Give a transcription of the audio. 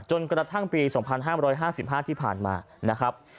จนกระทั่งปี๒๐๑๕ที่ผ่านมา